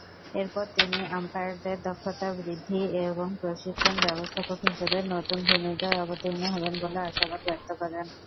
এরপর তিনি আম্পায়ারদের দক্ষতা বৃদ্ধি এবং প্রশিক্ষণ ব্যবস্থাপক হিসেবে নতুন ভূমিকায় অবতীর্ণ হবেন বলে আশাবাদ ব্যক্ত করেন।